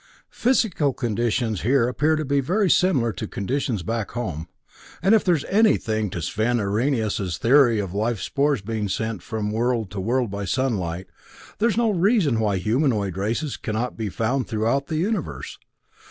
Physical conditions here appear to be very similar to conditions back home, and if there's anything to Svend Arrehenius' theory of life spores being sent from world to world by sunlight, there's no reason why humanoid races cannot be found throughout the universe.